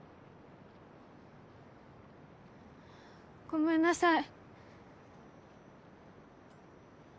ごめんなさい。